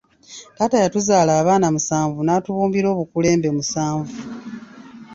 “Taata yatuzaala abaana musanvu natubumbira obukulembe musanvu